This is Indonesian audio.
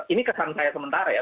ini kesan saya sementara ya